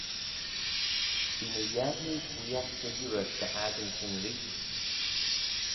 Bee ny Yernee booiagh dy liooar dy akin shin reesht.